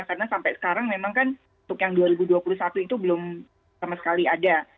karena sampai sekarang memang kan untuk yang dua ribu dua puluh satu itu belum sama sekali ada